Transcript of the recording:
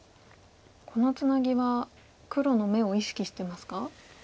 このツナギは黒の眼を意識してますか？